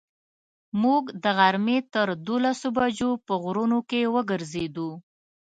موږ د غرمې تر دولسو بجو په غرونو کې وګرځېدو.